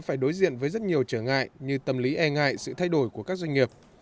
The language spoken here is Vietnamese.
phải đối diện với rất nhiều trở ngại như tâm lý e ngại sự thay đổi của các doanh nghiệp